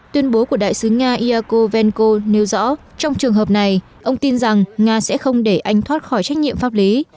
tuyên bố của đại sứ nga iyako venko nêu rõ trong trường hợp này ông tin rằng nga sẽ không để anh thoát khỏi trách nhiệm pháp lý